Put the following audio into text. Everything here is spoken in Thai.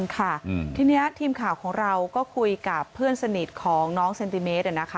ค่ะทีนี้ทีมข่าวของเราก็คุยกับเพื่อนสนิทของน้องเซนติเมตร